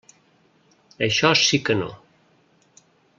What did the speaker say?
Això sí que no.